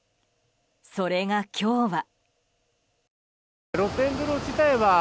それが今日は。